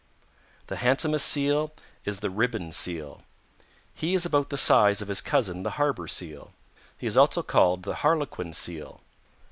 "The handsomest Seal is the Ribbon Seal. He is about the size of his cousin the Harbor Seal. He is also called the Harlequin Seal.